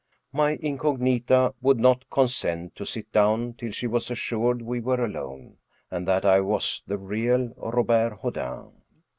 My incognita would not consent to sit down till she was assured we were alone, and that I was the real Robert Houdin.